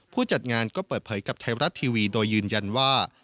จัดงานก็เปิดเผยกับไทยรัฐทีวีโดยยืนยันว่า